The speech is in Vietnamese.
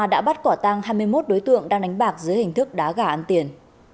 đã bắt quả tang hai mươi một đối tượng đang đánh bạc dưới hình thức đá gà ăn tiền